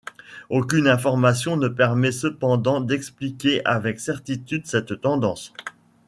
Aucune information ne permet cependant d'expliquer avec certitude cette tendance.